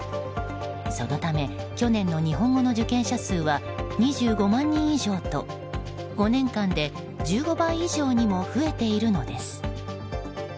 そのため、去年の日本語の受験者数は２５万人以上と５年間で１５倍以上にも増えているのです。